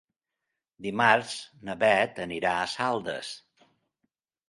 Dimarts na Bet anirà a Saldes.